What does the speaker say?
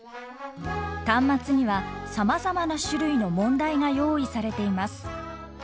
端末にはさまざまな種類の問題が用意されています。